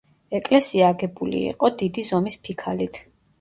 ეკლესია აგებული იყო დიდი ზომის ფიქალით.